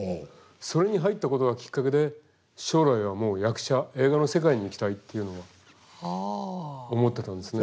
それに入ったことがきっかけで将来はもう役者映画の世界に行きたいっていうのは思ってたんですね。